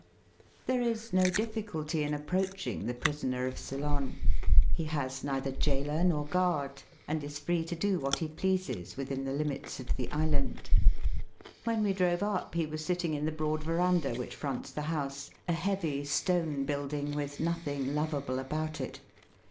There is no difficulty in approaching the prisoner of Ceylon. He has neither jailor nor guard, and is free to do what he pleases within the limits of the island. When we drove up he was sitting in the broad verandah which fronts the house — a heavy stone build Digitized by VjOOQIC THE PBISONER OF CEYLON. 163 ing with nothing lovable about it.